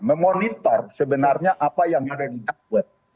memonitor sebenarnya apa yang ada di dakwat